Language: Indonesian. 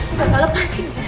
udah gak lepasin